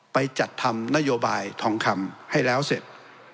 ไปจัดทำนโยบายทองคำให้แล้วเสร็จ